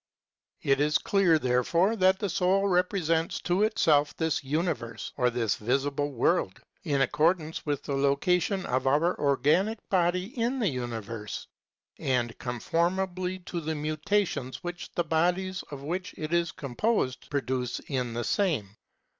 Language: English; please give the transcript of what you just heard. It is clear, therefore, that the soul re presents to itself this universe, or this visible world, in accordance with the location of our organic body in the universe, and conformably to the mutations which the bodies of which it is composed produce in the same.